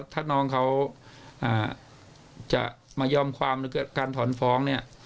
ถ้าน้องเขาจะมายอมความการถอนฟ้องเนี่ย